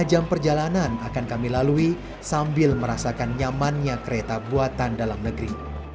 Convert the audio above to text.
dua puluh jam perjalanan akan kami lalui sambil merasakan nyamannya kereta buatan dalam negeri